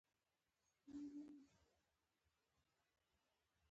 خو مخکې زما یې کېدای شي خویندې په افغانستان کې ولولي.